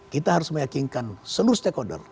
kita harus meyakinkan seluruh stakeholder